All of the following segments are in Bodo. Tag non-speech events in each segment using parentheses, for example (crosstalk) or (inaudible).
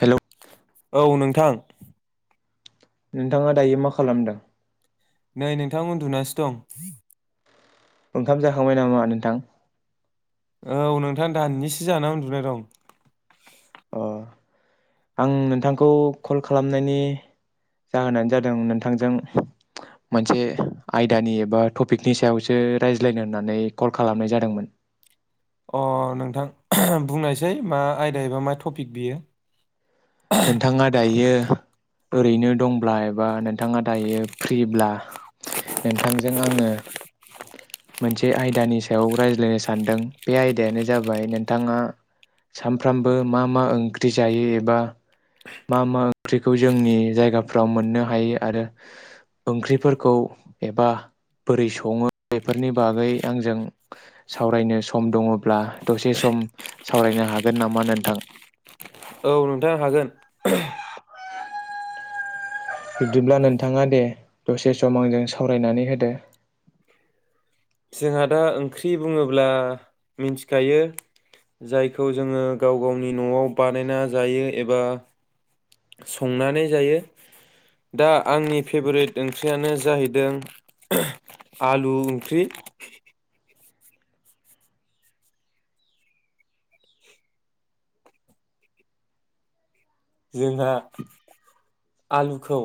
हेलौ औ नोंथां। नोंथाङा दायो मा खालामदों? नै नोंथां उन्दुनासो दं। ओंखाम जाखांबाय नामा नोंथां? औ नोंथां दाननिसो जानानानै उन्दुनाय दं। अ आं नोंथांखौ कल खालामनायनि जाहोनानो जादों नोंथांजों मोनसे आयदानि एबा टपिकनि सायावसो रायज्लायनो होननानै कल खालामनाय जादोंमोन। अ नोंथां बुंनायसै मा आयदा एबा मा टपिक बियो। नोंथाङा दायो ओरैनो दंब्ला एबा नोंथाङा दायो फ्रिब्ला नोंथांजों आङो मोनसे आयदानि सायाव रायज्लायनो सानदों बे आयदायानो जाबाय नोंथाङा सानफ्रामबो मा मा ओंख्रि जायो एबा मा मा ओंख्रिखौ जोंनि जायगाफ्राव मोननो हायो? आरो ओंख्रिफोरखौ एबा बोरै सङो? बेफोरनि बागै आंजों सावरायनो सम दङब्ला दसे सम सावरायनो हागोन नामा नोंथां? औव नोंथां हागोन। (inaudible) बिदिब्ला नोंथाङा दे दसे सम आंजों सावरायनानै होदो। जोंहा दा ओंख्रि बुङोब्ला, मिथिखायो जायखौ जोङो गाव गावनि न'आव बानायना जायो। एबा संनानै जायो, दा आंनि फेभरेट ओंख्रियानो जाहैदों आलु ओंख्रि । जोंहा, आलुखौ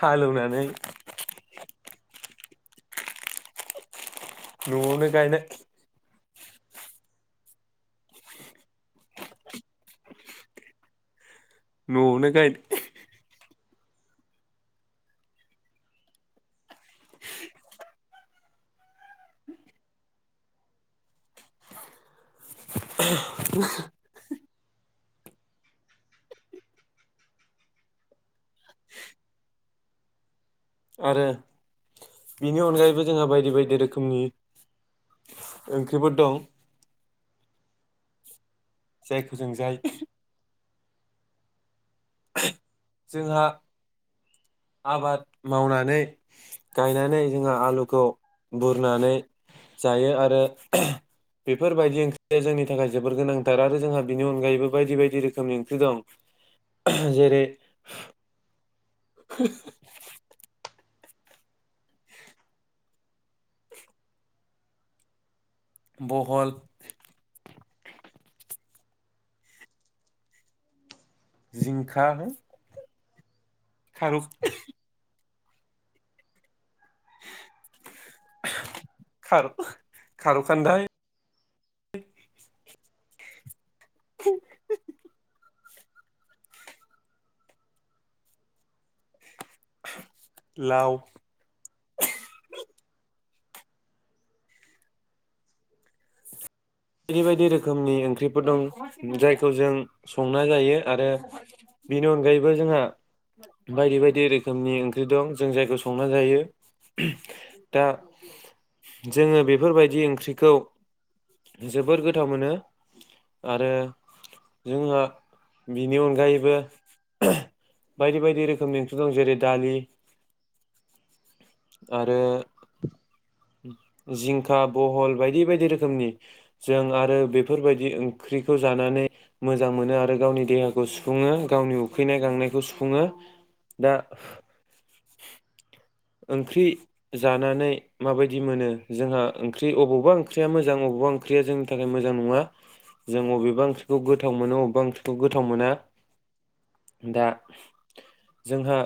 हालेवनानै नआवनो गायनो । न'नो गा (inaudible) आरो बिनि अनगायैबो जोंहा बायदि बायदि रोखोमनि ओंख्रिफोर दं। जायखौ जों जाय जोंहा आबाद मावनानै गायनानै जोंहा आलुखौ बुरनानै जायो, आरो बेफोरबायदि ओंख्रिया जोंनि थाखाय जोबोर गोनांथार आरो जोंहा बेनि अनगायैबो बायदि बायदि रोखोमनि ओंख्रि दं । जेरै (inaudible) बहल जिंखा हो खारुख खारु खारुखान्दाय (inaudible) लाउ (unintelligible) बायदि बायदि रोखोमनि ओंख्रिफोर दं, जायखौ जों संना जायो आरो बेनि अनगायैबो जोंहा बायदि बायदि रोखोमनि ओंख्रि दं जों जायखौ संना जायो । दा जोङो बेफोरबायदि ओंख्रिखौ, जोबोर गोथाव मोनो, आरो जोंहा बिनि अनगायैबो, बायदि बायदि रोखोमनि ओंख्रै दं जेरै दालि, आरो (inaudible) जिंखा बहल बायदि बायदि रोखोमनि, जों आरो बेफोरबायदि ओंख्रिखौ जानानै मोजां मोनो आरो गावनि देहाखौ सुफुङो, गावनि उखैनाय गांनायखौ सुफुङो, दा ओंख्रि जानानै माबायदि मोनो? जोंहा ओंख्रि अबेबा ओंख्रिया मोजां अबेबा ओंख्रिया जोंनि थाखाय मोजां नङा । जों अबेबा ओंख्रिखौ गोथाव मोनो अबेबा ओंख्रिखौ गोथाव मोना । दा जोंहा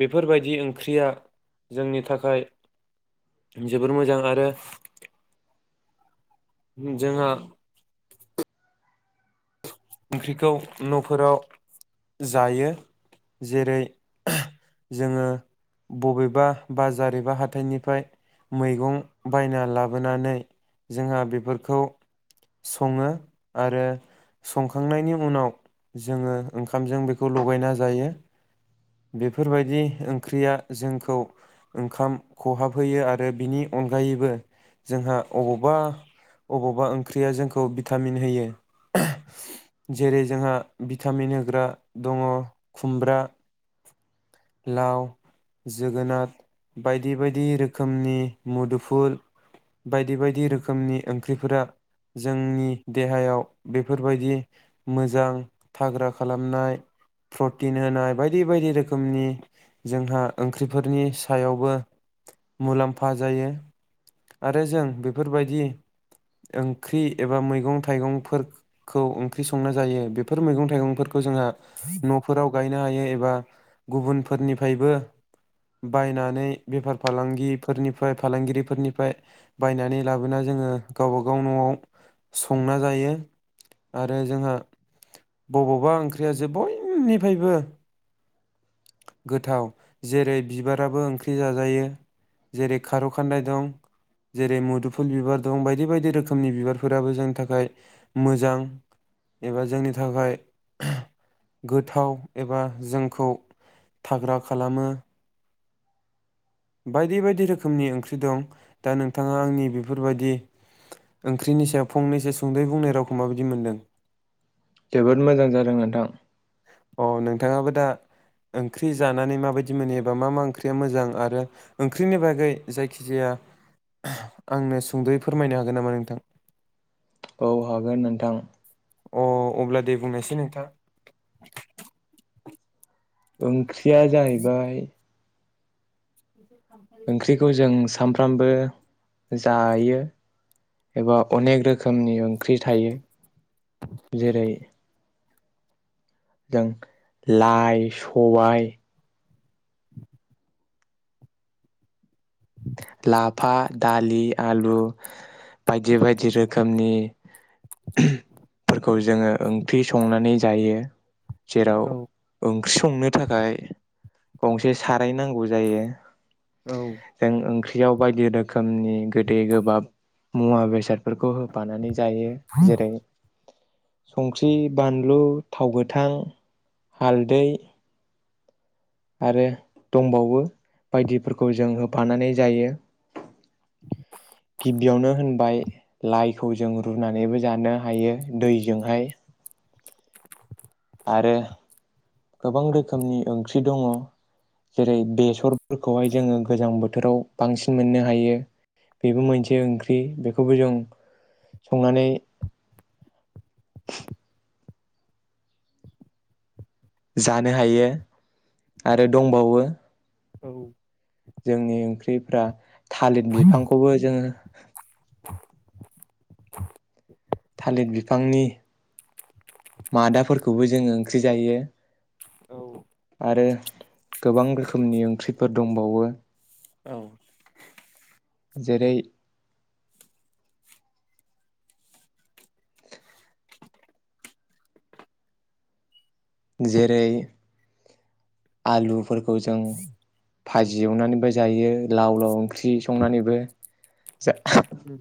बेफोरबायदि ख्रिया जोंनि थाखाय जोबोर मोजां ।आरो जोंहा ओंख्रिखौ न'फोराव जायो, जेरै जोङो बबेबा बाजार एबा हाथाइनिफ्राय मैगं बायना लाबोनानै जोंहा बेफोरखौ सङो, आरो संखांनायनि उनाव जोङो ओंखामजों बेखौ लगायना जायो। बेफोरबायदि ओंख्रिया जोंखौ ओंखाम खहाब होयो आरो बिनि अनगायैबो जोंहा अबावबा अबावबा ओंख्रिया जोंखौ भिटामिन होयो। जेरै जोंहा भिटामिन होग्रा दङ खुमब्रा लाव जोगोनार बायदि बायदि रोखोमनि मुदुफुल बायदि बायदि रोखोमनि ओंख्रिफोरा जोंनि देहायाव बे फोरबायदि मोजां थाग्रा खालामनाय प्रटिन होनाय बायदि बायदि रोखोमनि जोंहा ओंख्रिफोरनि सायावबो मुलाम्फा जायो। आरो जों बेफोरबायदि ओंख्रि एबा मैगं थाइगंफोर खौ ओंख्रि संना जायो बेफोर मैगं थाइगंफोरखौ जोंहा न'फोराव गायनो हायो। एबा गुबुनफोरनिफ्रायबो बायनानै बेफार फालांगिफोरनिफ्राय फालांगिरिफोरनिफ्राय बायनानै लाबोना जोङो गावबा गाव न'आव संना जायो। आरो जोंहा बबावबा ओंख्रिया जो बयनिफ्रायबो गोथाव। जेरै बिबाराबो ओंख्रि जाजायो जेरै खारौ खान्दाय दं जेरै मुदुफुल बिबार दं बायदि बायदि रोखोमनि बिबारफोराबो जोंनि थाखाय मोजां एबा जोंनि थाखाय गोथाव एबा जोंखौ थाग्रा खालामो। बायदि बायदि रोखोमनि ओंख्रि दं दा नोंथाङा आंनि बेफोरबायदि ओंख्रिनि सायाव फंनैसो सुंदै बुंनाय रावखौ माबायदि मोनदों? जोबोद मोजां जादों नोंथां। अ नोंथाङाबो दा ओंख्रि जानानै माबायदि मोनो? एबा मा मा ओंख्रिया मोजां? आरो ओंख्रिनि बागै जायखिजाया आंनो सुंद'यै फोरमायनो हागोन नामा नोंथां? औ हागोन नोंथां। अ अब्ला दे बुंनोसै नोंथां। ओं ख्रिया जाहैबाय ओंख्रिखौ जों साम फ्रामबो जायो । एबा औ अनेक रोखोमनि ख्रि थायो जेरै जों लाइ सबाय लाफ फा दालि आलु बायदि बायदि रोखोमनि ओम फोरखौ जोङो ओंख्रि संनानै जायो जेराव औ ओं ख्रि संनो थाखाय गंसे साराय नांगौ जायो औ जों ओंख्रि बियाव बायदि रोखोमनि गोदै गोबाब मुवा बेसादफोरखौ होफानानै जायो जेरै संख्रि बानलु थाव गोथां हालदै आरो दंबावो बायदिफोरखौ जों होफानानै जायो गिबियावनो होनबाय लाइखौ जों रुनानैबो जानो हायो दैजोंहाय आरो गोबां रोखोमनि ओंख्रि दङ जेरै बेसरफोरखौहाय जोङो गोजां बोथोराव बांसिन मोननो हायो। बेबो औ मोनसे ओंख्रि बे खौबो जों संनानै जानो हायो आरो दंबावो औ जोंनि ओंख्रिफ्रा थालिर बिफांखौबो जोङो थालिद बिफांनि मादाफोरखौबो जोङो ओंख्रि जायो आरो गोबां रोखोमनि ओंख्रिफोर दंबावो औ जेरै जेरै आलुफोर खौ जों भाजि एवनानैबो जायो लाव लाव ओंख्रि संनानैबो जा उम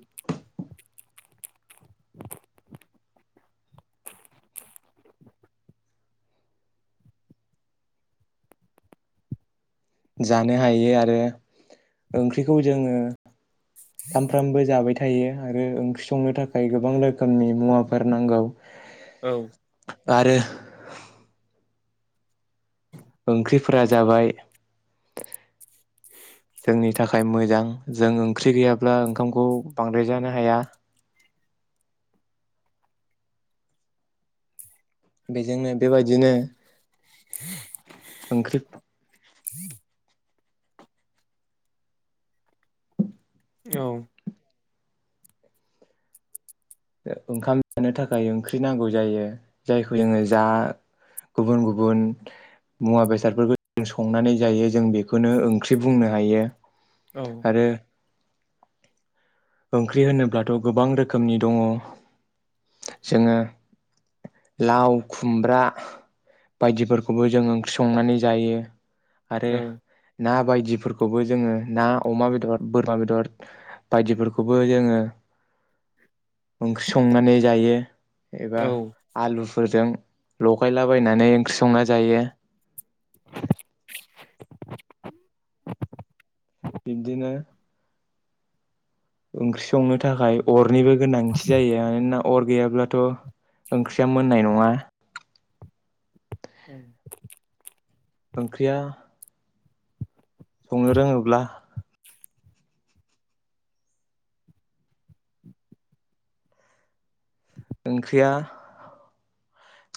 जानो हायो आरो ओंख्रिखौ जोङो सामफ्रामबो जाबाय थायो आरो ओंख्रि संनो थाखाय गोबां रोखोमनि मुवाफोर नांगौ औ आरो ओंख्रिफोरा जाबाय जोंनि थाखाय मोजां जों ओंख्रि गैयाब्ला ओंखामखौ बांद्राय जानो हाया बेजोंनो बेबायदिनो ओंख्रि औ ओंखाम जानो थाखाय ओंख्रि नांगौ जायो जायखौ जोङो जा गुबुन गुबुन मुवा बेसादफोरखौ संनानै जायो जों बेखौनो ओंख्रि बुंनो हायो आरो ओंख्रि होनोब्लाथ' गोबां रोखोमनि दङ जोङो लाव खुमब्रा बायदिफोरखौबो जों ओंख्रि संनानै जायो आरो ना बायदिफोरखौबो जोङो ना अमा बेदर बोरमा बेदर बायदिफोरखौबो जोङो ओंख्रि संनानै जायो एबा औ आलु फोरजों लगायलाबायनानै ओंख्रि संना जायो । बिब्दिनो ओंख्रि संनो थाखाय अर'निबो गोनांथि जायो मानोना अर' गैयाब्लाथ ओंख्रिया मोननाय नंङा। ओंख्रिया संनो रोंङोब्ला ओंख्रिया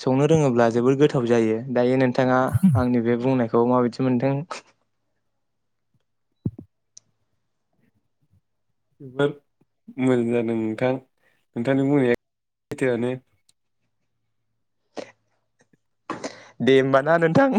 संनो रोंङोब्ला जोबोर गोथाव जायो दायो नोंथांङा आंनि बे बुंनायखौ माबायदि मोनदों? जोबोर मोजां जादों नोंथां नोंथांनि बुंनाया थोआनो दे होमबाना नोंथां